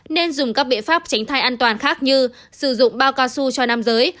nên dùng các biện pháp tránh thai an toàn khác như sử dụng bao cao su cho nam giới